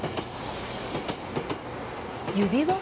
指輪？